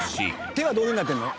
手はどういうふうになってるの？